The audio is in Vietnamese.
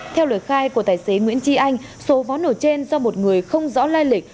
theo lời khai của tài xế nguyễn tri anh số pháo nổ trên do một người không rõ lai lịch